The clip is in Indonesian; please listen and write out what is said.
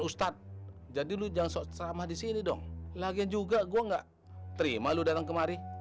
ustadz jadi lu jangan sama sama disini dong lagi juga gua enggak terima lu datang kemari